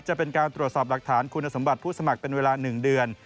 จะเป็นการตรวจสอบหลักฐานคุณสมบัติผู้สมัครเป็นเวลา๑เดือน